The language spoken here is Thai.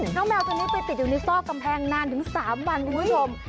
แมวตัวนี้ไปติดอยู่ในซอกกำแพงนานถึง๓วันคุณผู้ชม